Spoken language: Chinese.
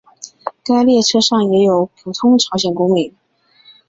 该列车上也有普通朝鲜公民。